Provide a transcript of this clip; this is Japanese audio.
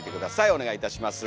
お願いいたします。